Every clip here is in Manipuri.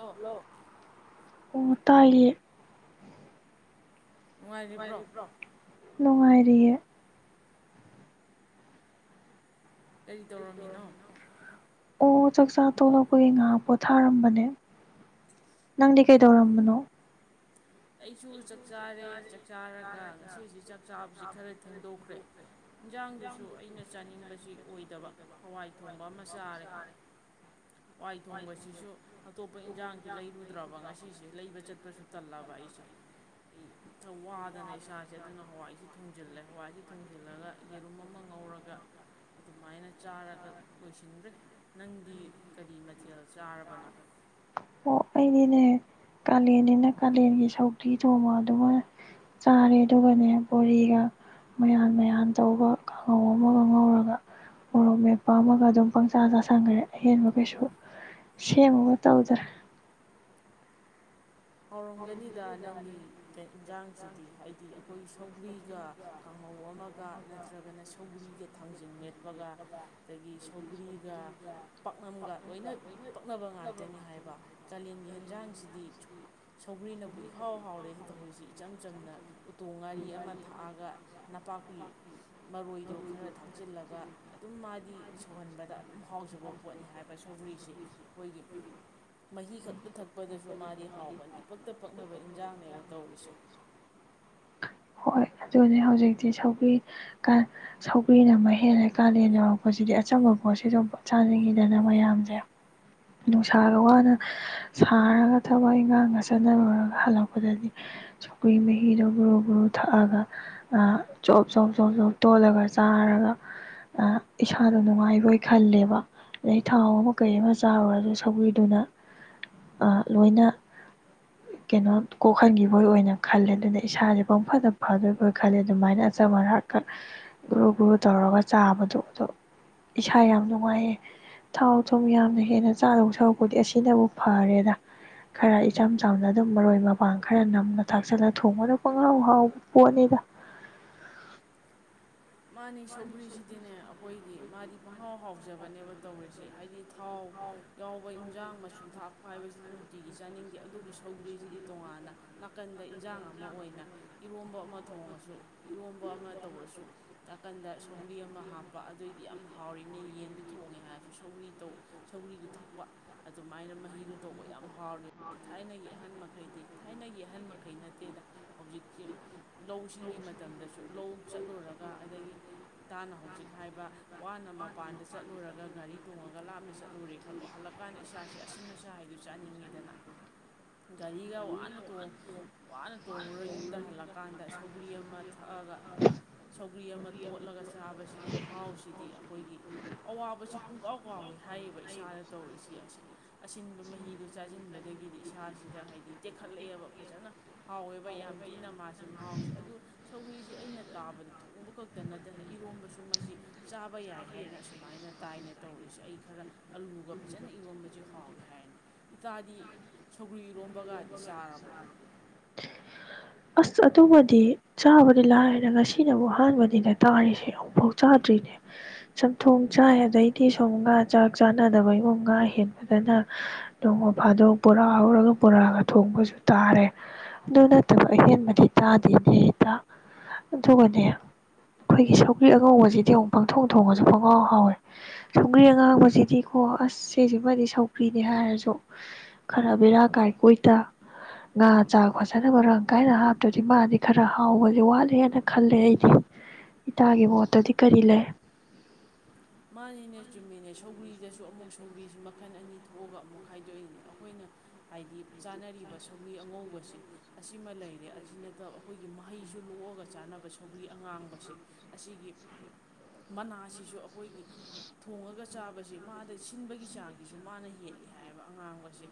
ꯍꯜꯂꯣ꯫ ꯑꯣ ꯇꯥꯏꯌꯦ꯫ ꯅꯨꯡꯉꯥꯏꯔꯤꯕ꯭ꯔꯣ꯫ ꯅꯨꯡꯉꯥꯏꯔꯤꯌꯦ꯫ ꯀꯔꯤ ꯇꯧꯔꯝꯃꯤꯅꯣ꯫ ꯑꯣ ꯆꯥꯛꯆꯥ ꯇꯣꯂꯛꯄꯒꯤ ꯉꯥꯏꯍꯥꯛ ꯄꯣꯊꯥꯔꯝꯕꯅꯦ ꯅꯪꯗꯤ ꯀꯩꯗꯧꯔꯝꯕꯅꯣ ꯑꯩꯁꯨ ꯆꯥꯛ ꯆꯥꯔꯦ ꯆꯥꯛ ꯆꯥꯔꯒ ꯉꯁꯤꯁꯤ ꯆꯥꯛ ꯆꯥꯕꯁꯤ ꯈꯔ ꯊꯦꯡꯗꯣꯛꯈ꯭ꯔꯦ ꯏꯟꯖꯥꯡꯗꯨꯁꯨ ꯑꯩꯅ ꯆꯥꯅꯤꯡꯕꯁꯤ ꯑꯣꯏꯗꯕ ꯍꯋꯥꯏ ꯊꯣꯡꯕ ꯑꯃ ꯆꯥꯔꯦ ꯍꯋꯥꯏ ꯊꯣꯡꯕꯁꯤꯁꯨ ꯑꯇꯣꯞꯄ ꯏꯟꯖꯥꯡꯁꯨ ꯂꯩꯔꯨꯗ꯭ꯔꯕ ꯉꯁꯤꯁ ꯂꯩꯕ ꯆꯠꯄꯁꯨ ꯇꯜꯂꯕ ꯑꯩ ꯑꯩ ꯈꯔ ꯋꯥꯗꯅ ꯏꯁꯥꯁꯦ ꯑꯗꯨꯅ ꯍꯋꯥꯏꯁꯤ ꯊꯣꯡꯖꯤꯜꯂꯦ ꯍꯋꯥꯏꯁꯤ ꯊꯣꯡꯖꯤꯜꯂꯒ ꯌꯦꯔꯨꯝ ꯑꯃ ꯉꯧꯔꯒ ꯑꯗꯨꯃꯥꯏꯅ ꯆꯥꯔꯒ ꯂꯣꯏꯁꯤꯟꯈ꯭ꯔꯦ ꯅꯪꯗꯤ ꯀꯔꯤ ꯃꯊꯦꯜ ꯆꯥꯔꯕꯅꯣ꯫ [unintelligible] ꯅꯦ ꯀꯥꯂꯦꯟꯅꯤꯅ ꯀꯥꯂꯦꯟꯀꯤ ꯁꯧ ꯁꯧꯒꯔꯤ ꯊꯣꯡꯃꯗꯨꯃ ꯆꯥꯔꯦ ꯑꯗꯨꯒꯅꯦ ꯕꯣꯔꯤꯒ ꯃꯌꯥꯟ ꯃꯌꯥꯟ ꯇꯧꯕ ꯀꯥꯡꯉꯧ ꯑꯃꯒ ꯉꯧꯔꯒ ꯃꯣꯔꯣꯛ ꯃꯦꯠꯄ ꯑꯃꯒ ꯑꯗꯨꯝ ꯄꯪꯆꯥ ꯆꯤꯁꯟꯈ꯭ꯔꯦ ꯑꯍꯦꯟꯕ ꯀꯩꯁꯨ ꯁꯦꯝꯃꯨꯕ ꯇꯧꯗ꯭ꯔꯦ꯫ ꯍꯥꯎꯔꯝꯒꯅꯤꯗ ꯅꯪꯒꯤ ꯀꯩ ꯏꯟꯁꯥꯡꯁꯤꯗꯤ ꯍꯥꯏꯗꯤ ꯑꯩꯈꯣꯏ ꯁꯧꯒ꯭ꯔꯤꯒ ꯀꯥꯡꯍꯧ ꯑꯃꯒ ꯅꯠꯇ꯭ꯔꯒꯅ ꯁꯧꯒ꯭ꯔꯤꯒ ꯊꯥꯡꯖꯤ ꯄꯒ ꯑꯗꯒꯤ ꯁꯧꯒ꯭ꯔꯤꯒ ꯄꯥꯛꯅꯝꯒ ꯂꯣꯏꯅ ꯄꯛꯅꯕ ꯉꯥꯛꯇꯅꯤ ꯍꯥꯏꯕ ꯀꯥꯂꯦꯟꯒꯤ ꯍꯦꯟꯖꯥꯡꯁꯤ [unintelligible] ꯁꯧꯒ꯭ꯔꯤꯅꯕꯨ ꯏꯍꯥꯎ ꯍꯥꯎꯔꯦꯍꯦ ꯇꯧꯔꯤꯁꯤ ꯏꯆꯝ ꯆꯝꯅ ꯎꯇꯣ ꯉꯥꯔꯤ ꯑꯃ ꯊꯥꯛꯑꯒ ꯅꯄꯥꯛꯄꯤ ꯃꯔꯣꯏꯗꯣ ꯈꯔ ꯊꯥꯛꯆꯤꯜꯂꯒ ꯑꯗꯨꯝ ꯃꯥꯗꯤ ꯁꯧꯍꯟꯕꯗ ꯑꯗꯨꯝ ꯍꯥꯎꯖꯕ ꯄꯣꯠꯅꯤ ꯍꯥꯏꯕ ꯁꯧꯒ꯭ꯔꯤꯁꯤ ꯑꯩꯈꯣꯏꯒꯤ ꯃꯍꯤ ꯈꯛꯇ ꯊꯛ ꯄꯗꯁꯨ ꯃꯥꯗꯤ ꯍꯥꯎꯕꯅꯤ ꯏꯄꯛꯇ ꯄꯛꯅꯕ ꯏꯟꯖꯥꯡꯅꯦꯕ ꯇꯧꯔꯤꯁꯦ꯫ ꯍꯣꯏ ꯑꯗꯨꯅꯦ ꯍꯧꯖꯤꯛꯇꯤ ꯁꯧꯒ꯭ꯔꯤ ꯁꯧꯒ꯭ꯔꯤꯅ ꯃꯍꯦꯟꯂꯦ ꯀꯥꯂꯦꯟ ꯌꯧꯔꯛꯄꯁꯤꯗꯤ ꯑꯆꯝꯕ ꯄꯣꯠꯁꯤꯗꯨꯝ ꯆꯥꯅꯤꯡꯉꯤꯗꯅ ꯃꯌꯥꯝꯖꯦ ꯅꯨꯡꯁꯥꯒ ꯋꯥꯅ ꯁꯥꯔꯒ ꯊꯕꯛ ꯏꯪꯈꯥꯡꯒ ꯆꯠꯅꯔꯨꯔꯒ ꯍꯜꯂꯛꯄꯗꯗꯤ ꯁꯀ꯭ꯔꯤ ꯃꯍꯤꯗꯣ ꯒꯨꯔꯨ ꯒꯨꯔꯨ ꯊꯛꯑꯒ ꯑꯥ ꯆꯣꯞ ꯆꯣꯞ ꯆꯣꯞ ꯆꯣꯞ ꯇꯣꯜꯂꯒ ꯆꯥꯔꯒ ꯏꯁꯥꯗꯣ ꯅꯨꯡꯉꯥꯏꯕꯣꯏ ꯈꯜꯂꯦꯕ ꯑꯗꯩ ꯊꯥꯎ ꯑꯃ ꯀꯩ ꯑꯃ ꯆꯥꯔꯨꯔꯁꯨ ꯁꯧꯒ꯭ꯔꯤꯗꯨꯅ ꯑꯥ ꯂꯣꯏꯅ ꯀꯩꯅꯣ ꯀꯣꯛꯍꯟꯈꯤꯕꯣꯏ ꯑꯣꯏꯅ ꯈꯜꯂꯦ ꯑꯗꯨꯅ ꯏꯁꯥꯁꯦ ꯄꯪꯐꯗ ꯐꯗꯣꯏꯕꯣꯏ ꯈꯜꯂꯦ ꯑꯗꯨꯃꯥꯏꯅ ꯑꯆꯝ ꯑꯔꯥꯛꯀ ꯒ꯭ꯔꯨ ꯒ꯭ꯔꯨ ꯇꯧꯔꯒ ꯆꯥꯕꯗꯣ ꯑꯗꯣ ꯏꯁꯥ ꯌꯥꯝ ꯅꯨꯡꯉꯥꯏꯌꯦ ꯊꯥꯎ ꯊꯨꯝ ꯌꯥꯝꯅ ꯍꯦꯟꯅ ꯆꯥꯗꯧ ꯁꯔꯛꯄꯨꯗꯤ ꯑꯁꯤꯅꯕꯨ ꯐꯔꯦꯗ ꯈꯔ ꯏꯆꯝ ꯆꯥꯝꯅ ꯑꯗꯨꯝ ꯃꯔꯣꯏ ꯃꯄꯥꯡ ꯈꯔ ꯅꯝꯅ ꯊꯥꯛꯆꯜꯂ ꯊꯣꯡꯕꯗ ꯄꯡꯍꯥꯎ ꯍꯥꯎꯕ ꯄꯣꯠꯅꯤꯗ꯫ ꯃꯥꯅꯤ ꯁꯧꯒ꯭ꯔꯤꯁꯤꯗꯤꯅꯦ ꯑꯩꯈꯣꯏꯒꯤ ꯃꯥꯗꯤ ꯄꯪꯍꯥꯎ ꯍꯥꯎꯖꯕꯅꯦꯕ ꯇꯧꯔꯤꯁꯤ ꯍꯥꯏꯗꯤ ꯊꯥꯎ ꯌꯥꯎꯕ ꯏꯟꯖꯥꯡ ꯃꯆꯨ ꯊꯥꯛꯄ ꯍꯥꯏꯕꯁꯤꯗꯤ ꯅꯨꯡꯇꯤꯒꯤ ꯆꯥꯅꯤꯡꯗꯦ ꯑꯗꯨꯕꯨ ꯁꯧꯒ꯭ꯔꯤꯁꯤꯗꯤ ꯇꯣꯉꯥꯟꯅ ꯅꯥꯀꯟꯗ ꯏꯟꯖꯥꯡ ꯑꯃ ꯑꯣꯏꯅ ꯏꯔꯣꯝꯕ ꯑꯃ ꯊꯣꯡꯉꯁꯨ ꯏꯔꯣꯝꯕ ꯑꯃ ꯇꯧꯔꯁꯨ ꯅꯥꯀꯟꯗ ꯁꯧꯒ꯭ꯔꯤ ꯑꯃ ꯍꯥꯞꯄ ꯑꯗꯨꯑꯣꯏꯗꯤ ꯌꯥꯝ ꯍꯥꯎꯔꯤꯅꯦ ꯌꯦꯟꯗꯨ ꯊꯣꯡꯉꯦ ꯍꯥꯏꯔꯁꯨ ꯁꯧꯒ꯭ꯔꯤ ꯇꯧ ꯁꯧꯒ꯭ꯔꯤꯗꯨ ꯊꯛꯄ ꯑꯗꯨꯃꯥꯏꯅ ꯃꯍꯤꯗꯣ ꯇꯧꯕ ꯌꯥꯝ ꯍꯥꯎꯔꯦ ꯊꯥꯏꯅꯒꯤ ꯑꯍꯟ ꯃꯈꯩꯗꯤ ꯊꯥꯏꯅꯒꯤ ꯑꯍꯟ ꯃꯈꯩ ꯅꯠꯇꯦꯗ ꯍꯧꯖꯤꯛꯇꯤ ꯂꯧꯁꯤꯡꯒꯤ ꯃꯇꯝꯗꯁꯨ ꯂꯧ ꯆꯠꯂꯨꯔꯒ ꯑꯗꯒꯤ ꯏꯇꯥꯅ ꯍꯧꯖꯤꯛ ꯍꯥꯏꯕ ꯋꯥꯅ ꯃꯄꯥꯟꯗ ꯆꯠꯂꯨꯔꯒ ꯒꯥꯔꯤ ꯇꯣꯡꯉꯒ ꯂꯥꯞꯅ ꯆꯠꯂꯨꯔꯦ ꯈꯜꯂꯣ ꯍꯜꯂꯀꯥꯟꯗ ꯏꯁꯥꯁꯦ ꯑꯁꯤ ꯑꯁꯥ ꯍꯥꯏꯗꯨ ꯆꯥꯅꯤꯡꯉꯤꯗꯅ ꯒꯥꯔꯤꯒ ꯋꯥꯅ ꯋꯥꯅ ꯇꯣꯡꯉꯨꯔ ꯌꯨꯝꯗ ꯍꯜꯂꯛꯀꯥꯟꯗ ꯁꯧꯒ꯭ꯔꯤ ꯑꯃ ꯊꯛꯑꯒ ꯁꯧꯒ꯭ꯔꯤ ꯑꯃ ꯇꯣꯠꯂꯒ ꯆꯥꯕꯁꯤꯒꯤ ꯃꯍꯥꯎꯁꯤꯗꯤ ꯑꯩꯈꯣꯏꯒꯤ ꯑꯋꯥꯕꯁꯤ ꯄꯨꯡꯀꯥꯎ ꯀꯥꯎꯋ ꯍꯥꯏꯌꯦꯕ ꯏꯁꯥꯗ ꯇꯧꯔꯤꯁꯤ ꯑꯁꯤꯟꯕ ꯃꯍꯤꯗꯣ ꯆꯥꯁꯤꯟꯕꯗꯒꯤꯗꯤ ꯏꯁꯥꯁꯤꯗ ꯍꯥꯏꯗꯤ ꯇꯦꯛꯈꯠꯂꯛꯑꯦꯕ ꯐꯖꯅ ꯍꯥꯎꯋꯦꯕ ꯌꯥꯝ ꯊꯤꯅ ꯃꯥꯁꯤ ꯃꯍꯥꯎꯁꯤ ꯑꯗꯨ ꯁꯧꯒ꯭ꯔꯤꯁꯤ ꯑꯩꯅ ꯇꯥꯕꯗ ꯊꯣꯡꯕ ꯈꯛꯇ ꯅꯠꯇꯅ ꯏꯔꯣꯝꯕꯁꯨ ꯃꯁꯤ ꯆꯥꯕ ꯌꯥꯏ ꯍꯥꯏꯅ ꯑꯁꯨꯃꯥꯏꯅ ꯇꯥꯏꯅ ꯇꯧꯔꯛꯏꯁꯦ ꯑꯩ ꯈꯔ ꯑꯂꯨꯒ ꯐꯖꯅ ꯏꯔꯣꯕꯕꯁꯤ ꯍꯥꯎꯏ ꯍꯥꯏꯅꯦ ꯏꯇꯥꯗꯤ ꯁꯧꯒ꯭ꯔꯤ ꯏꯔꯣꯝꯕꯒꯗꯤ ꯆꯥꯔꯕ꯭ꯔꯣ꯫ ꯑꯁ ꯑꯗꯨꯃꯗꯤ ꯆꯥꯕꯗꯤ ꯂꯥꯏꯔꯗꯅ ꯉꯁꯤꯅꯕꯨ ꯑꯍꯥꯟꯕꯅꯤꯅ ꯇꯥꯔꯤꯁꯦ ꯑꯃꯨꯛꯐꯥꯎ ꯆꯥꯗ꯭ꯔꯤꯅꯦ ꯆꯝꯊꯣꯡ ꯆꯥꯏ ꯑꯗꯩꯗꯤ ꯁꯨꯝ ꯉꯥ ꯆꯥꯛ ꯆꯥꯅꯗꯕ ꯏꯃꯨꯡ ꯉꯥ ꯍꯦꯟꯕꯗꯅ ꯅꯣꯡꯃ ꯐꯥꯗꯣꯡ ꯕꯣꯔꯥ ꯍꯧꯔꯒ ꯖꯣꯔꯥꯒ ꯊꯣꯡꯕꯁꯨ ꯇꯥꯔꯦ ꯑꯗꯨ ꯅꯠꯇꯕ ꯑꯍꯦꯟꯕꯗꯤ ꯇꯥꯗꯦꯅꯦ ꯏꯇꯥ ꯑꯗꯨꯒꯅꯦ ꯑꯩꯈꯣꯏꯒꯤ ꯁꯧꯒ꯭ꯔꯤ ꯑꯉꯧꯕꯁꯤꯗꯤ ꯑꯃꯨꯛ ꯄꯪꯊꯣꯡ ꯊꯣꯡꯉꯁꯨ ꯄꯉꯥꯎ ꯍꯥꯎꯋꯦ ꯁꯧꯒ꯭ꯔꯤ ꯑꯉꯥꯡꯕꯁꯤꯗꯤꯀꯣ ꯑꯁ ꯁꯤꯁꯤꯃꯗꯤ ꯁꯧꯒ꯭ꯔꯤꯅꯦ ꯍꯥꯏꯔꯁꯨ ꯈꯔ ꯕꯦꯔꯥ ꯀꯥꯏ ꯀꯣ ꯏꯇꯥ ꯉꯥ ꯆꯥꯛ ꯐꯖꯅ ꯃꯔꯥꯡ ꯀꯥꯏꯅ ꯍꯥꯞꯇꯗꯤ ꯃꯥꯗꯤ ꯈꯔ ꯍꯥꯎꯕꯖꯦ ꯋꯥꯠꯂꯦꯅ ꯈꯜꯂꯦ ꯑꯩꯗꯤ ꯏꯇꯥꯒꯤ ꯃꯣꯠꯇꯗꯤ ꯀꯔꯤ ꯂꯩ꯫ ꯃꯥꯅꯤꯅꯦ ꯆꯨꯝꯃꯤꯅꯦ ꯁꯧꯒ꯭ꯔꯤꯗꯁꯨ ꯑꯃꯨꯛ ꯁꯧꯒ꯭ꯔꯤꯁꯤ ꯃꯈꯜ ꯑꯅꯤ ꯊꯣꯛꯑꯒ ꯑꯃꯨꯛ ꯈꯥꯏꯗꯣꯛꯏꯅꯦ ꯑꯩꯈꯣꯏꯅ ꯍꯥꯏꯗꯤ ꯆꯥꯅꯔꯤꯕ ꯁꯧꯒ꯭ꯔꯤ ꯑꯉꯧꯕꯁꯦ ꯑꯁꯤꯃ ꯂꯩꯔꯦ ꯑꯁꯤ ꯅꯠꯇꯕ ꯑꯩꯈꯣꯏꯒꯤ ꯃꯍꯩꯁꯨ ꯂꯣꯛꯑꯒ ꯆꯥꯅꯕ ꯁꯧꯒ꯭ꯔꯤ ꯑꯉꯥꯡꯕꯁꯦ ꯑꯁꯤꯒꯤ ꯃꯅꯥꯁꯤꯁꯨ ꯑꯩꯈꯣꯏꯒꯤ ꯊꯣꯡꯉꯒ ꯆꯥꯕꯁꯤ ꯃꯥꯗ ꯁꯤꯟꯕꯒꯤ ꯆꯥꯡꯁꯤꯁꯨ ꯃꯥꯅ ꯍꯦꯜꯂꯤ ꯍꯥꯏꯕ ꯑꯉꯥꯡꯕꯁꯦ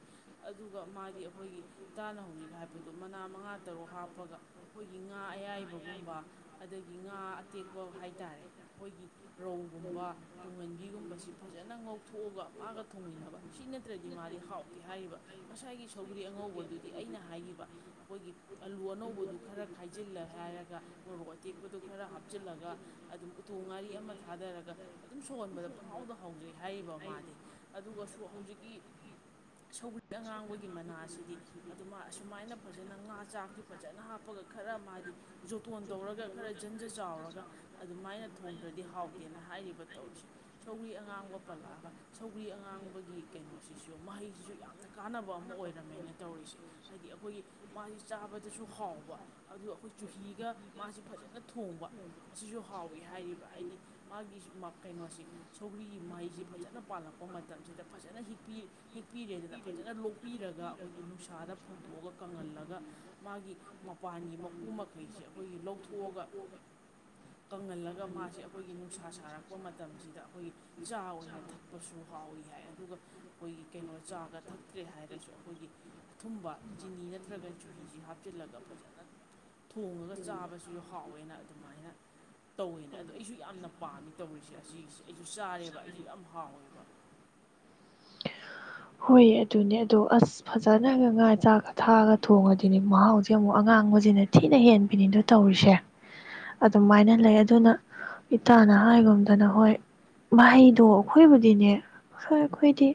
ꯑꯗꯨꯒ ꯃꯥꯗꯤ ꯑꯩꯈꯣꯏꯒꯤ ꯏꯇꯥꯅ ꯍꯧꯖꯤꯛ ꯍꯥꯏꯕꯗꯣ ꯃꯅꯥ ꯃꯉꯥ ꯇꯔꯨꯛ ꯍꯥꯞꯄꯒ ꯑꯩꯈꯣꯏꯒꯤ ꯉꯥ ꯑꯌꯥꯏꯕꯒꯨꯝꯕ ꯑꯗꯒꯤ ꯉꯥ ꯑꯇꯦꯛꯄ ꯍꯥꯏꯇꯥꯔꯦ ꯑꯩꯈꯣꯏꯒꯤ ꯔꯧꯒꯨꯝꯕ ꯋꯥ ꯇꯨꯡꯍꯟꯕꯤꯒꯨꯝꯕꯁꯤ ꯐꯖꯅ ꯉꯧꯊꯣꯛꯑꯒ ꯃꯥꯒ ꯊꯣꯡꯃꯤꯟꯅꯕ ꯁꯤ ꯅꯠꯇ꯭ꯔꯥꯗꯤ ꯃꯥꯗꯤ ꯍꯥꯎꯇꯦ ꯍꯥꯏꯔꯤꯕ ꯉꯁꯥꯏꯒꯤ ꯁꯧꯒ꯭ꯔꯤ ꯑꯉꯧꯕꯗꯨꯗꯤ ꯑꯩꯅ ꯍꯥꯏꯈꯤꯕ ꯑꯩꯈꯣꯏꯒꯤ ꯑꯂꯨ ꯑꯅꯧꯕꯗꯨ ꯈꯔ ꯈꯥꯏꯖꯤꯜꯂꯦ ꯍꯥꯏꯔꯒ ꯃꯣꯔꯣꯛ ꯑꯇꯦꯛꯄꯗꯨ ꯈꯔ ꯍꯥꯞꯆꯤꯜꯂꯒ ꯑꯗꯨꯝ ꯎꯇꯣꯡ ꯉꯥꯔꯤ ꯑꯃ ꯊꯗꯔꯒ ꯑꯗꯨꯝ ꯁꯧꯍꯣꯟꯕꯗ ꯄꯨꯡꯍꯥꯎꯗ ꯍꯥꯎꯖꯩ ꯍꯥꯏꯔꯤꯕ ꯃꯥꯗꯤ ꯑꯗꯨꯒꯁꯨ ꯍꯧꯖꯤꯛꯀꯤ ꯁꯧꯒ꯭ꯔꯤ ꯑꯉꯥꯡꯕꯒꯤ ꯃꯅꯥꯁꯤꯗꯤ ꯑꯗꯨ ꯑꯁꯨꯃꯥꯏꯅ ꯐꯖꯅ ꯉꯥ ꯆꯥꯛꯇꯤ ꯐꯖꯅ ꯍꯥꯞꯄꯒ ꯈꯔ ꯃꯥꯗꯤ ꯖꯣꯊꯣꯟ ꯇꯧꯔꯒ ꯈꯔ ꯖꯟꯖ ꯆꯥꯎꯔꯒ ꯑꯗꯨꯃꯥꯏꯅ ꯊꯣꯡꯗ꯭ꯔꯗꯤ ꯍꯥꯎꯇꯦꯅ ꯍꯥꯏꯔꯤꯕ ꯇꯧꯔꯤꯁꯦ ꯁꯧꯒ꯭ꯔꯤ ꯑꯉꯥꯡꯕ ꯄꯜꯂꯛꯑꯒ ꯁꯧꯒ꯭ꯔꯤ ꯑꯉꯥꯡꯕꯒꯤ ꯀꯩꯅꯣꯁꯤꯁꯨ ꯃꯍꯩꯁꯤꯁꯨ ꯌꯥꯝꯅ ꯀꯥꯟꯅꯕ ꯑꯃ ꯑꯣꯏꯔꯝꯃꯦꯅꯦ ꯇꯧꯔꯤꯁꯦ ꯍꯥꯏꯗꯤ ꯑꯩꯈꯣꯏꯒꯤ ꯃꯥꯁꯤ ꯆꯥꯕꯗꯁꯨ ꯍꯥꯎꯕ ꯑꯗꯨꯒ ꯑꯩꯈꯣꯏ ꯆꯨꯍꯤꯒ ꯃꯥꯁꯤ ꯐꯖꯅ ꯊꯣꯡꯕ ꯃꯁꯤꯁꯨ ꯍꯥꯎꯏ ꯍꯥꯏꯔꯤꯕ ꯑꯩꯗꯤ ꯃꯥꯒꯤ ꯀꯩꯅꯣꯁꯤ ꯁꯧꯒ꯭ꯔꯤꯒꯤ ꯃꯍꯩꯁꯤ ꯐꯖꯅ ꯄꯥꯜꯂꯛꯄ ꯃꯇꯝꯁꯤꯗ ꯐꯖꯅ ꯍꯦꯛꯄꯤ ꯍꯤꯛꯄꯤꯔꯦꯗꯅ ꯐꯖꯅ ꯂꯣꯛꯄꯤꯔꯒ ꯑꯩꯈꯣꯏꯒꯤ ꯅꯨꯡꯁꯥꯗ ꯐꯧꯗꯣꯛꯑꯒ ꯀꯪꯍꯜꯂꯒ ꯃꯥꯒꯤ ꯃꯄꯥꯟꯒꯤ ꯃꯀꯨ ꯃꯈꯩꯁꯤ ꯑꯩꯈꯣꯏꯒꯤ ꯂꯧꯊꯣꯛꯑꯒ ꯀꯪꯍꯜꯂꯒ ꯃꯥꯁꯤ ꯑꯩꯈꯣꯏꯒꯤ ꯅꯨꯡꯁꯥ ꯁꯥꯔꯛ ꯄ ꯃꯇꯝꯁꯤꯗ ꯑꯩꯈꯣꯏꯒꯤ ꯆꯥ ꯑꯣꯏꯅ ꯊꯛꯄꯁꯨ ꯍꯥꯎꯏ ꯍꯥꯏ ꯑꯗꯨꯒ ꯑꯩꯈꯣꯏꯒꯤ ꯀꯩꯅꯣ ꯆꯥꯒ ꯊꯛꯇ꯭ꯔꯦ ꯍꯥꯏꯔꯁꯨ ꯑꯩꯈꯣꯏꯒꯤ ꯑꯊꯨꯝꯕ ꯆꯤꯅꯤ ꯅꯠꯇ꯭ꯔꯒ ꯆꯨꯍꯤꯁꯤ ꯍꯥꯞꯆꯤꯜꯂꯒ ꯐꯖꯅ ꯊꯣꯡꯉꯒ ꯆꯥꯕꯁꯨ ꯍꯥꯎꯋꯦꯅ ꯑꯗꯨꯃꯥꯏꯅ ꯇꯧꯋꯦꯅ ꯑꯗꯣ ꯑꯩꯁꯨ ꯌꯥꯝꯅ ꯄꯥꯝꯃꯤ ꯇꯧꯔꯤꯁꯦ ꯑꯁꯤ ꯁꯤ ꯑꯩꯁꯨ ꯆꯔꯦꯕ ꯑꯩꯁꯨ ꯌꯥꯝ ꯍꯥꯎꯋꯦꯕ ꯍꯣꯏꯌꯦ ꯑꯗꯨꯅꯦ ꯑꯗꯣ ꯑꯁ ꯐꯖꯅꯒ ꯉꯥ ꯆꯥꯛꯀ ꯊꯥꯛꯑꯒ ꯊꯣꯡꯉꯗꯤꯅꯦ ꯃꯍꯥꯎꯁꯦ ꯑꯃꯨꯛ ꯑꯉꯥꯡꯕꯁꯤꯅ ꯊꯤꯅ ꯍꯦꯟꯕꯤꯅꯤꯗꯣ ꯇꯧꯔꯤꯁꯦ ꯑꯗꯨꯃꯥꯏꯅ ꯂꯩ ꯑꯗꯨꯅ ꯏꯇꯥꯅ ꯍꯥꯏꯒꯨꯝꯗꯅ ꯍꯣꯏ ꯃꯍꯩꯗꯣ ꯍꯣꯏꯕꯨꯗꯤꯅꯦ ꯍꯣꯏ ꯑꯩꯈꯣꯏꯗꯤ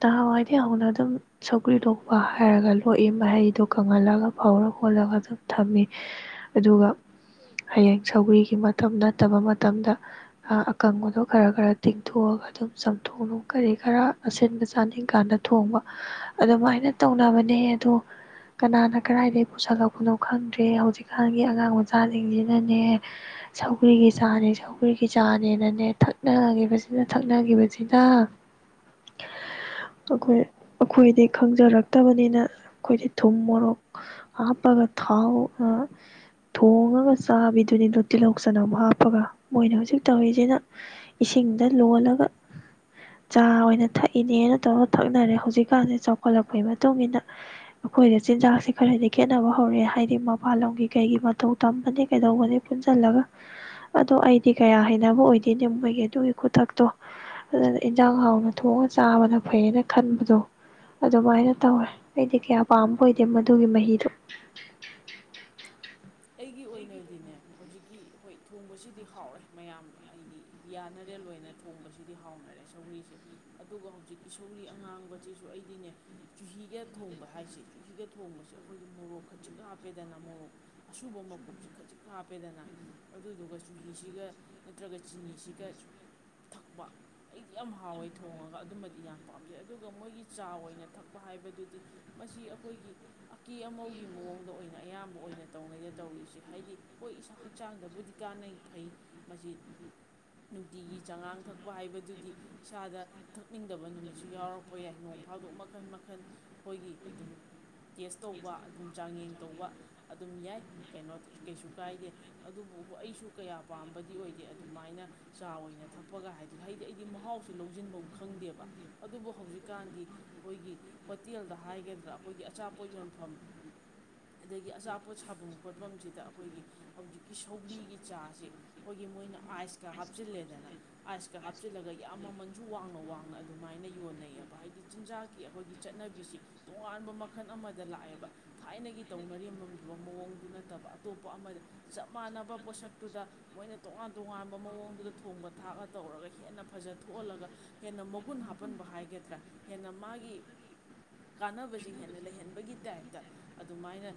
ꯅꯍꯥꯟꯋꯥꯏꯗꯤ ꯍꯧꯅ ꯑꯗꯨꯝ ꯁꯧꯒ꯭ꯔꯤ ꯂꯣꯛꯄ ꯍꯥꯏꯔꯒ ꯂꯣꯛꯏ ꯃꯍꯩꯗꯣ ꯀꯪꯍꯜꯂꯒ ꯐꯥꯎꯔ ꯈꯣꯠꯂꯒ ꯑꯗꯨꯝ ꯊꯝꯃꯤ ꯑꯗꯨꯒ ꯍꯌꯦꯡ ꯁꯧꯒ꯭ꯔꯤꯒꯤ ꯃꯇꯝ ꯅꯠꯇꯕ ꯃꯇꯝꯗ ꯑ ꯑꯀꯪꯕꯗꯣ ꯈꯔ ꯈꯔ ꯇꯤꯡꯊꯣꯛꯑꯒ ꯑꯗꯨꯝ ꯆꯝꯊꯣꯛꯅꯨꯡ ꯀꯔꯤ ꯀꯔꯥ ꯑꯁꯤꯟꯕꯖꯦ ꯆꯥꯅꯤꯡꯀꯥꯟꯗ ꯊꯣꯡꯕ ꯑꯗꯨꯃꯥꯏꯅ ꯇꯧꯅꯕꯅꯦ ꯑꯗꯣ ꯀꯅꯥꯅ ꯀꯔꯥꯏꯗꯒꯤ ꯄꯨꯁꯜꯂꯛꯄꯅꯣ ꯈꯪꯗ꯭ꯔꯦ ꯍꯧꯖꯤꯛꯀꯥꯟꯒꯤ ꯑꯉꯥꯡ ꯃꯆꯥꯁꯤꯡꯁꯤꯅꯅꯦ ꯁꯧꯒ꯭ꯔꯤꯒꯤ ꯆꯥꯅꯦ ꯁꯧꯒ꯭ꯔꯤꯒꯤ ꯆꯥꯅꯦꯅꯅꯦ ꯊꯛꯅꯈꯤꯕꯁꯤꯅ ꯊꯛꯅꯈꯤꯕꯁꯤꯅ ꯑꯩꯈꯣꯏ ꯑꯩꯈꯣꯏꯗꯤ ꯈꯪꯖꯔꯛꯇꯕꯅꯤꯅ ꯑꯩꯈꯣꯏꯗꯤ ꯊꯨꯝ ꯃꯣꯔꯣꯛ ꯍꯥꯞꯄꯒ ꯊꯥꯎ ꯑ ꯊꯣꯡꯉꯒ ꯆꯥꯕꯤꯗꯨꯅꯤꯗꯣ ꯇꯤꯜꯍꯧ ꯆꯅꯝ ꯍꯥꯞꯄꯒ ꯃꯣꯏꯅ ꯍꯧꯖꯤꯛ ꯇꯧꯔꯤꯁꯤꯅ ꯏꯁꯤꯡꯗ ꯂꯣꯜꯂꯒ ꯆꯥ ꯑꯣꯏꯅ ꯊꯛ ꯏꯅꯦꯅ ꯇꯧꯔ ꯊꯛꯅꯔꯦ ꯍꯧꯖꯤꯛꯀꯥꯟꯁꯦ ꯆꯥꯎꯈꯠꯂꯛꯄꯩ ꯃꯇꯨꯡ ꯏꯟꯅ ꯑꯩꯈꯣꯏꯗ ꯆꯤꯟꯖꯥꯛꯁꯦ ꯈꯔꯗꯤ ꯈꯦꯠꯅꯕ ꯍꯧꯔꯛꯑꯦ ꯍꯥꯏꯗꯤ ꯃꯄꯥꯟ ꯂꯝꯒꯤ ꯀꯩꯒꯤ ꯃꯇꯧ ꯇꯝꯕꯅꯤ ꯀꯩꯗꯧꯕꯅꯤ ꯄꯨꯟꯁꯤꯜꯂꯒ ꯑꯗꯣ ꯑꯩꯗꯤ ꯀꯌꯥ ꯍꯩꯅꯕ ꯑꯣꯏꯗꯣꯏꯅꯤ ꯃꯣꯏꯒꯤ ꯑꯗꯨꯒꯤ ꯈꯨꯊꯛꯇꯣ ꯑꯗꯨꯅ ꯏꯟꯖꯥꯡ ꯍꯥꯎꯅ ꯊꯣꯡꯉꯒ ꯆꯥꯕꯅ ꯐꯩꯌꯦꯅ ꯈꯟꯕꯗꯣ ꯑꯗꯨꯃꯥꯏꯅ ꯇꯧꯔꯦ ꯑꯩꯗꯤ ꯀꯌꯥ ꯄꯥꯝꯕ ꯑꯣꯏꯗꯦ ꯃꯗꯨꯒꯤ ꯃꯍꯤꯗꯣ ꯑꯩꯒꯤ ꯑꯣꯏꯅꯗꯤꯅꯦ ꯍꯧꯖꯤꯛꯀꯤ ꯍꯣꯏ ꯊꯣꯡꯕꯁꯤꯗꯤ ꯍꯥꯎꯔꯦ ꯃꯌꯥꯝ ꯑꯩꯗꯤ ꯌꯥꯅꯔꯦꯜ ꯑꯣꯏꯅ ꯊꯣꯡꯕꯁꯤꯗꯤ ꯍꯥꯎꯅꯔꯦ ꯁꯧꯔꯤꯁꯦ ꯑꯗꯨꯒ ꯍꯧꯖꯤꯛꯀꯤ ꯁꯧꯔꯤ ꯑꯉꯥꯡꯕꯁꯤꯁꯨ ꯑꯩꯗꯤꯅꯦ ꯆꯨꯍꯤꯒ ꯊꯣꯡꯕ ꯍꯥꯏꯁꯦ ꯆꯨꯍꯤꯒ ꯊꯣꯡꯕꯁꯦ ꯑꯩꯈꯣꯏꯒꯤ ꯃꯣꯔꯣꯛ ꯈꯆꯤꯛ ꯍꯥꯞꯄꯦꯗꯅ ꯃꯣꯔꯣꯛ ꯑꯁꯨꯕ ꯃꯀꯨꯞꯁꯤ ꯈꯖꯤꯛ ꯍꯥꯞꯄꯦꯗꯅ ꯑꯗꯨꯗꯨꯒ ꯆꯨꯍꯤꯁꯤꯒ ꯅꯠꯇ꯭ꯔꯒ ꯆꯤꯅꯤꯁꯤꯒ ꯊꯛꯄ ꯑꯩꯗꯤ ꯌꯥꯝ ꯍꯥꯎꯋꯦ ꯊꯣꯡꯉꯒ ꯑꯗꯨꯃꯗꯤ ꯌꯥꯝ ꯄꯥꯝꯖꯩ ꯑꯗꯨꯒ ꯃꯣꯏꯒꯤ ꯆꯥ ꯑꯣꯏꯅ ꯊꯛꯄ ꯍꯥꯏꯕꯗꯨꯗꯤ ꯃꯁꯤ ꯑꯩꯈꯣꯏꯒꯤ ꯑꯀꯦ ꯑꯃꯧꯒꯤ ꯃꯑꯣꯡꯗ ꯑꯣꯏꯅ ꯑꯌꯥꯝꯕ ꯑꯣꯏꯅ ꯇꯧꯉꯩꯗ ꯇꯧꯔꯤꯁꯤ ꯍꯥꯏꯗꯤ ꯍꯣꯏ ꯏꯁꯥ ꯍꯛꯆꯥꯡꯗꯕꯨꯗꯤ ꯀꯥꯟꯅꯩ ꯐꯩ ꯃꯁꯤ ꯅꯨꯡꯇꯤꯒꯤ ꯆꯉꯥꯡ ꯊꯛꯄ ꯍꯥꯏꯕꯗꯨꯗꯤ ꯏꯁꯥꯗ ꯊꯛꯅꯤꯡꯗꯕ ꯅꯨꯃꯤꯠꯁꯨ ꯌꯥꯎꯔꯛꯄ ꯌꯥꯏ ꯅꯣꯡ ꯐꯥꯗꯣꯛ ꯃꯈꯜ ꯃꯈꯜ ꯑꯩꯈꯣꯏꯒꯤ ꯑꯗꯨꯝ ꯇꯦꯁ ꯇꯧꯕ ꯑꯗꯨꯝ ꯆꯥꯡꯌꯦꯡ ꯇꯧꯕ ꯑꯗꯨꯝ ꯌꯥꯏ ꯀꯩꯅꯣ ꯀꯩꯁꯨ ꯀꯥꯏꯗꯦ ꯑꯗꯨꯕꯨ ꯑꯩꯁꯨ ꯀꯌꯥ ꯄꯥꯝꯕꯗꯤ ꯑꯣꯏꯗꯦ ꯑꯗꯨꯃꯥꯏꯅ ꯆꯥ ꯑꯣꯏꯅ ꯊꯛꯄꯒ ꯍꯥꯏꯗꯨꯗꯤ ꯍꯥꯏꯗꯤ ꯑꯩꯗꯤ ꯃꯍꯥꯎꯁꯨ ꯂꯧꯁꯤꯟꯐꯝ ꯈꯪꯗꯦꯕ ꯑꯗꯨꯕꯨ ꯍꯧꯖꯤꯛꯀꯥꯟꯗꯤ ꯑꯩꯈꯣꯏꯒꯤ ꯍꯣꯇꯦꯜꯗ ꯍꯥꯏꯒꯗ꯭ꯔꯥ ꯑꯩꯈꯣꯏꯒꯤ ꯑꯆꯥꯄꯣꯠ ꯌꯣꯟꯐꯝ ꯑꯗꯒꯤ ꯑꯆꯥ ꯄꯣꯠ ꯁꯥꯐꯨ ꯈꯣꯠꯐꯝꯁꯤꯗ ꯑꯩꯈꯣꯏꯒꯤ ꯍꯧꯖꯤꯛꯀꯤ ꯁꯧꯖ꯭ꯔꯤꯒꯤ ꯆꯥꯁꯦ ꯑꯩꯈꯣꯏꯒꯤ ꯃꯣꯏꯅ ꯑꯥꯏꯁꯀ ꯍꯥꯞꯆꯤꯜꯂꯦꯗꯅ ꯑꯥꯏꯁꯀ ꯍꯥꯞꯆꯤꯜꯂꯒ ꯌꯥꯝ ꯃꯃꯟꯁꯨ ꯋꯥꯡꯅ ꯋꯥꯡꯅ ꯑꯗꯨꯃꯥꯏꯅ ꯌꯣꯟꯅꯩꯑꯕ ꯍꯥꯏꯗꯤ ꯆꯤꯟꯖꯥꯛꯀꯤ ꯑꯩꯈꯣꯏꯒꯤ ꯆꯠꯅꯕꯤꯁꯤ ꯇꯣꯉꯥꯟꯕ ꯃꯈꯜ ꯑꯃꯗ ꯂꯥꯛꯑꯦꯕ ꯊꯥꯏꯅꯒꯤ ꯇꯧꯅꯔꯤꯕ ꯗꯨꯒ ꯃꯑꯣꯡꯗꯨ ꯅꯠꯇꯕ ꯑꯇꯣꯞꯄ ꯑꯃꯗ ꯆꯞ ꯃꯥꯟꯅꯕ ꯄꯣꯠꯁꯛꯇꯨꯗ ꯃꯣꯏꯅ ꯇꯣꯉꯥꯟ ꯇꯣꯉꯥꯟꯕ ꯃꯑꯣꯡꯗꯨꯗ ꯊꯣꯡꯕ ꯊꯥꯛꯑ ꯇꯧꯔꯒ ꯍꯦꯟꯅ ꯐꯖ ꯊꯣꯛꯍꯜꯂꯒ ꯍꯦꯟꯅ ꯃꯒꯨꯟ ꯍꯥꯞꯄꯟꯕ ꯍꯥꯏꯒꯗ꯭ꯔꯥ ꯍꯦꯟꯅ ꯃꯥꯒꯤ ꯀꯥꯟꯅꯕꯁꯤ ꯍꯦꯟꯅ ꯂꯩꯍꯟꯕꯒꯤ ꯇꯥꯏꯞꯇ ꯑꯗꯨꯃꯥꯏꯅ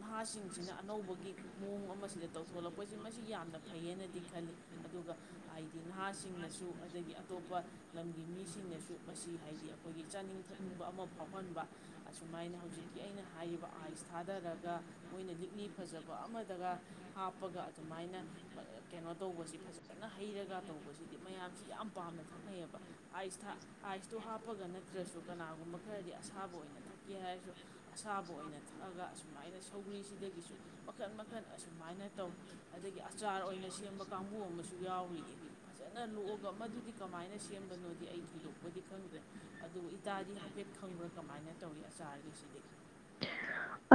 ꯅꯍꯥꯁꯤꯡꯁꯤꯅ ꯑꯅꯧꯕꯒꯤ ꯃꯑꯣꯡ ꯑꯃꯁꯤꯗ ꯇꯧꯊꯣꯂꯛꯄꯁꯤ ꯃꯁꯤ ꯌꯥꯝꯅ ꯐꯩꯌꯦꯅꯗꯤ ꯈꯜꯂꯤ ꯑꯗꯨꯒ ꯍꯥꯏꯗꯤ ꯅꯍꯥꯁꯤꯡꯅꯁꯨ ꯑꯗꯒꯤ ꯑꯇꯣꯞꯄ ꯂꯝꯒꯤ ꯃꯤꯁꯤꯡꯅꯁꯨ ꯃꯁꯤ ꯍꯥꯏꯗꯤ ꯑꯩꯈꯣꯏꯒꯤ ꯆꯥꯅꯤꯡ ꯊꯛꯅꯤꯡꯕ ꯑꯃ ꯐꯥꯎꯍꯟꯕ ꯑꯁꯨꯃꯥꯏꯅ ꯍꯧꯖꯤꯛꯀꯤ ꯑꯩꯅ ꯍꯥꯏꯔꯤꯕ ꯑꯥꯏꯁ ꯊꯥꯗꯔꯒ ꯒ ꯃꯣꯏꯅ ꯂꯤꯛꯂꯤ ꯐꯖꯕ ꯑꯃꯗꯒ ꯍꯥꯞꯄꯒ ꯑꯗꯨꯃꯥꯏꯅ ꯀꯩꯅꯣ ꯇꯧꯕꯁꯤ ꯐꯖꯅ ꯍꯩꯔꯒ ꯇꯧꯕꯁꯤꯗꯤ ꯃꯌꯥꯝꯁꯤ ꯌꯥꯝ ꯄꯥꯝꯅ ꯊꯛꯅꯩꯌꯦꯕ ꯑꯥꯏꯁꯇ ꯑꯥꯏꯁꯇꯣ ꯍꯥꯞꯄꯒ ꯅꯠꯇ꯭ꯔꯥꯁꯨ ꯀꯅꯥꯒꯨꯝꯕ ꯈꯔꯗꯤ ꯑꯁꯥꯕ ꯑꯣꯏꯅ ꯊꯛꯀꯦ ꯍꯥꯏꯔꯁꯨ ꯑꯁꯥꯕ ꯑꯣꯏꯅ ꯊꯛꯑꯒ ꯁꯨꯃꯥꯏꯅ ꯁꯧꯒ꯭ꯔꯤꯁꯤꯗꯒꯤꯁꯨ ꯃꯈꯟ ꯃꯈꯟ ꯑꯁꯨꯃꯥꯏꯅ ꯇꯧ ꯑꯗꯒꯤ ꯑꯆꯥꯔ ꯑꯣꯏꯅ ꯁꯦꯝꯕ ꯀꯥꯡꯕꯨ ꯑꯃꯁꯨ ꯌꯥꯎꯔꯤꯌꯦ ꯐꯖꯅ ꯂꯣꯛꯑꯒ ꯃꯗꯗꯤ ꯀꯃꯥꯏꯅ ꯁꯦꯝꯕꯅꯣꯗꯤ ꯑꯩ ꯊꯣꯏꯗꯣꯛꯄꯗꯤ ꯈꯪꯗ꯭ꯔꯦ ꯑꯗꯨꯕꯨ ꯏꯇꯥꯗꯤ ꯍꯥꯏꯐꯦꯠ ꯈꯪꯕ꯭ꯔꯥ ꯀꯃꯥꯏꯅ ꯇꯧꯏ ꯑꯆꯥꯔꯒꯤꯁꯤꯗꯤ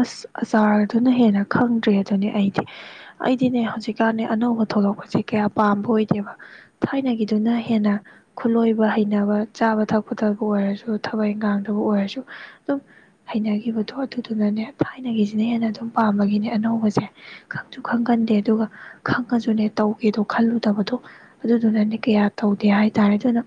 ꯑꯁ ꯑꯆꯥꯔꯗꯨꯅ ꯍꯦꯟꯅ ꯈꯪꯗ꯭ꯔꯦ ꯗꯨꯅꯦ ꯑꯩꯗꯤ ꯑꯩꯗꯤꯅꯦ ꯍꯧꯖꯤꯛꯀꯥꯟꯅꯦ ꯑꯅꯧꯕ ꯊꯣꯛꯂꯛꯄꯁꯦ ꯀꯌꯥ ꯄꯥꯝꯕ ꯑꯣꯏꯗꯦꯕ ꯊꯥꯏꯅꯒꯤꯗꯨꯅ ꯍꯦꯟꯅ ꯈꯨꯠꯂꯣꯏꯕ ꯍꯩꯅꯕ ꯆꯥꯕ ꯊꯛꯄꯗꯕꯨ ꯑꯣꯏꯔꯁꯨ ꯊꯕꯛ ꯏꯟꯈꯥꯡꯗꯕꯨ ꯑꯣꯏꯔꯁꯨ ꯑꯗꯨꯝ ꯍꯩꯅꯈꯤꯕꯗꯣ ꯑꯗꯨꯗꯨꯅꯅꯦ ꯊꯥꯏꯅꯒꯤꯁꯤꯅ ꯍꯦꯟꯅ ꯑꯗꯨꯝ ꯄꯥꯝꯕꯒꯤꯅꯦ ꯑꯅꯧꯕꯁꯦ ꯈꯪꯁꯨ ꯈꯪꯒꯟꯗꯦ ꯑꯗꯨꯒ ꯈꯪꯉꯁꯨꯅꯦ ꯇꯧꯒꯦꯗꯣ ꯈꯜꯂꯨꯗꯕꯗꯣ ꯑꯗꯨꯗꯨꯅꯅꯦ ꯀꯌꯥ ꯇꯧꯗꯦ ꯍꯥꯏꯇꯥꯔꯦ ꯑꯗꯨꯅ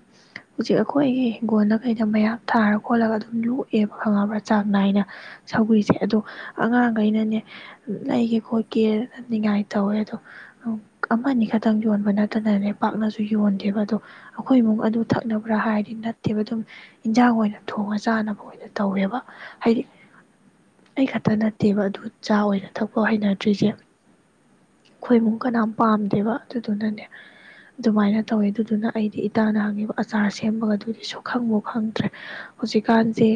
ꯍꯧꯖꯤꯛ ꯑꯩꯈꯣꯏꯒꯤ ꯍꯤꯡꯒꯣꯜꯗ ꯀꯩꯗ ꯃꯌꯥꯝ ꯊꯥꯔ ꯈꯣꯠꯂꯒ ꯑꯗꯨꯝ ꯂꯣꯛꯑꯦꯕ ꯈꯪꯉꯕ꯭ꯔꯥ ꯆꯥꯡ ꯅꯥꯏꯅ ꯁꯧꯒ꯭ꯔꯤꯁꯦ ꯑꯗꯣ ꯑꯉꯥꯡꯒꯩꯅꯅꯦ ꯂꯩꯒꯦ ꯈꯣꯠꯀꯦ ꯅꯤꯡꯉꯥꯏ ꯇꯧꯋꯦ ꯑꯗꯣ ꯑꯃ ꯑꯃꯅꯤ ꯈꯛꯇꯪ ꯌꯣꯟꯕ ꯅꯠꯇꯅꯅꯦ ꯄꯥꯛꯅꯁꯨ ꯌꯣꯟꯗꯦꯕ ꯑꯗꯣ ꯑꯈꯣ ꯏꯃꯨꯡ ꯑꯗꯨꯝ ꯊꯛꯅꯕ꯭ꯔꯥ ꯍꯥꯏꯔꯗꯤ ꯅꯠꯇꯦꯕ ꯑꯗꯨꯝ ꯏꯟꯖꯥꯡ ꯑꯣꯏꯅ ꯊꯣꯡꯉ ꯆꯥꯅꯕ ꯑꯣꯏꯅ ꯇꯧꯋꯦꯕ ꯍꯥꯏꯗꯤ ꯑꯩ ꯈꯛꯇ ꯅꯠꯇꯦꯕ ꯑꯗꯨ ꯆꯥ ꯑꯣꯏꯅ ꯊꯛꯄ ꯍꯩꯅꯗ꯭ꯔꯤꯁꯦ ꯑꯩꯈꯣ ꯏꯃꯨꯡ ꯀꯅꯥꯝ ꯄꯥꯝꯗꯦꯕ ꯑꯗꯨꯗꯨꯅꯅꯦ ꯑꯗꯨꯃꯥꯏꯅ ꯇꯧꯋꯦ ꯑꯗꯨꯗꯨꯅ ꯑꯩꯗꯤ ꯏꯇꯥꯅ ꯍꯪꯉꯤꯕ ꯑꯆꯥꯔ ꯁꯦꯝꯕꯒꯗꯨꯗꯤ ꯁꯨꯈꯪꯕꯨ ꯈꯪꯗ꯭ꯔꯦ ꯍꯧꯖꯤꯛꯀꯥꯟꯖꯦ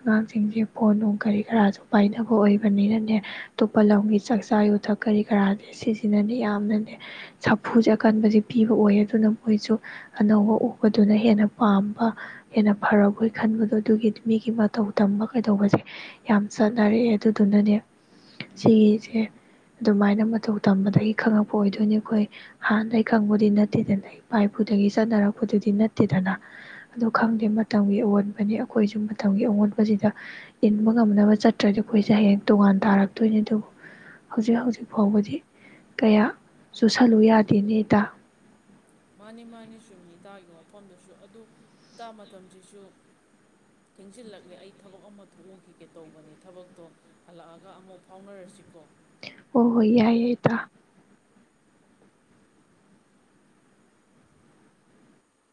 ꯑꯉꯥꯡꯖꯤꯡꯖꯦ ꯐꯣꯟ ꯅꯨꯡ ꯀꯔꯤ ꯀꯔꯥꯁꯨ ꯄꯥꯏꯅꯕ ꯑꯣꯏꯕꯅꯤꯅꯅꯦ ꯑꯇꯣꯞꯄ ꯂꯝꯒꯤ ꯆꯥꯛꯆꯥ ꯌꯨꯊꯛ ꯀꯔꯤ ꯀꯔꯥꯖꯦ ꯁꯤꯖꯤꯅꯅꯦ ꯌꯥꯝꯅꯅꯦ ꯁꯥꯐꯨꯁꯦ ꯑꯀꯟꯕꯁꯦ ꯄꯤꯕ ꯑꯣꯏ ꯑꯗꯨꯅ ꯃꯣꯏꯁꯨ ꯑꯅꯧꯕ ꯎꯕꯗꯨꯅ ꯍꯦꯟꯅ ꯄꯥꯝꯕ ꯍꯦꯟꯅ ꯐꯔꯕꯣꯏ ꯈꯟꯕꯗꯣ ꯑꯗꯨꯒꯤ ꯃꯤꯒꯤ ꯃꯇꯧ ꯇꯝꯕ ꯀꯩꯗꯧꯕꯖꯦ ꯌꯥꯝ ꯆꯠꯅꯔꯛꯑꯦ ꯑꯗꯨꯗꯨꯅꯅꯦ ꯁꯤꯒꯤꯖꯦ ꯑꯗꯨꯃꯥꯏꯅ ꯃꯇꯧ ꯇꯝꯕꯗꯒꯤ ꯈꯪꯉꯛꯄ ꯑꯣꯏꯗꯣꯏꯅꯦ ꯑꯩꯈꯣꯏ ꯍꯥꯟꯅꯗꯩ ꯈꯪꯕꯗꯤ ꯅꯠꯇꯦꯗꯅ ꯏꯄꯥ ꯏꯄꯨꯗꯒꯤ ꯆꯠꯅꯔꯛꯄꯗꯨꯗꯤ ꯅꯠꯇꯦꯗꯅ ꯑꯗꯨ ꯈꯪꯗꯦ ꯃꯇꯝꯒꯤ ꯑꯋꯣꯟꯕꯅꯤ ꯑꯩꯈꯣꯏꯁꯨ ꯃꯇꯝꯒꯤ ꯑꯋꯣꯟꯕꯁꯤꯗ ꯏꯟꯕ ꯉꯝꯅꯕ ꯆꯠꯇ꯭ꯔꯥꯗꯤ ꯑꯩꯈꯣꯏꯁꯦ ꯍꯌꯦꯡ ꯇꯣꯉꯥꯟ ꯇꯔꯛꯇꯣꯏꯅꯦ ꯑꯗꯨꯕꯨ ꯍꯧꯖꯤꯛ ꯍꯧꯖꯤꯛ ꯐꯥꯎꯕꯗꯤ ꯀꯌꯥ ꯆꯨꯁꯜꯂꯨ ꯌꯥꯗꯦꯅꯦ ꯏꯇꯥ ꯃꯥꯅꯤ ꯃꯥꯅꯤ ꯆꯨꯝꯃꯤ ꯏꯇꯥꯒꯤ ꯋꯥꯐꯝꯗꯨꯁꯨ ꯑꯗꯨ ꯏꯇꯥ ꯃꯇꯝꯁꯤꯁꯨ ꯊꯤꯡꯖꯤꯜꯂꯛꯂꯦ ꯑꯩ ꯊꯕꯛ ꯑꯃ ꯊꯣꯛꯎꯈꯤꯒꯦ ꯇꯧꯕꯅꯤ ꯊꯕꯛꯇꯣ ꯍꯜꯂꯛꯑꯒ ꯑꯃꯨꯛ ꯐꯥꯎꯅꯔꯁꯤꯀꯣ ꯍꯣꯍꯣꯢ ꯌꯥꯏꯌꯦ ꯏꯇꯥ